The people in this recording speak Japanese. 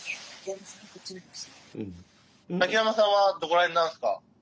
竹山さんはどこら辺なんですか？